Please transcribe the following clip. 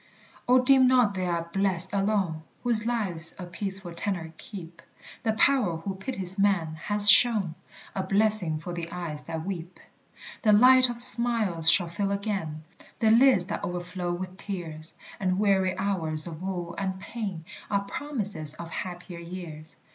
Oh, deem not they are blest alone Whose lives a peaceful tenor keep; The Power who pities man, has shown A blessing for the eyes that weep. The light of smiles shall fill again The lids that overflow with tears; And weary hours of woe and pain Are promises of happier years.